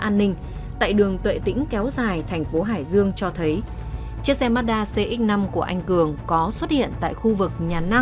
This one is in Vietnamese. nhiều vị trí trong xe đã bị can mực